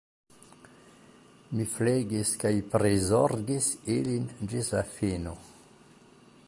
Mi flegis kaj prizorgis ilin ĝis la fino.